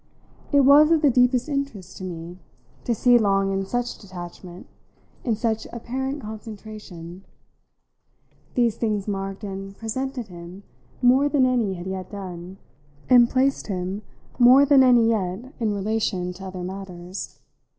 It was of the deepest interest to me to see Long in such detachment, in such apparent concentration. These things marked and presented him more than any had yet done, and placed him more than any yet in relation to other matters.